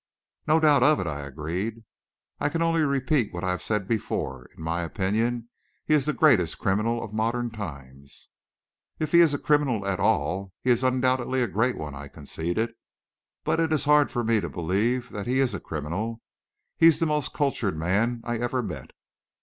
"No doubt of it," I agreed. "I can only repeat what I have said before in my opinion, he is the greatest criminal of modern times." "If he is a criminal at all, he is undoubtedly a great one," I conceded. "But it is hard for me to believe that he is a criminal. He's the most cultured man I ever met."